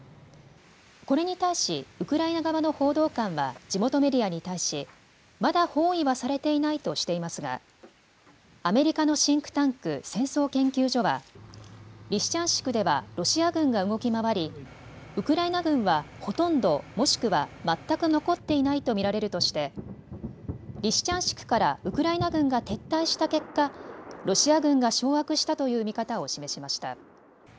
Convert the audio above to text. これに対しウクライナ側の報道官は地元メディアに対しまだ包囲はされていないとしていますがアメリカのシンクタンク、戦争研究所はリシチャンシクではロシア軍が動き回りウクライナ軍はほとんど、もしくは全く残っていないと見られるとしてリシチャンシクからウクライナ軍が撤退した結果、ロシア軍が掌握したという見方を示しました。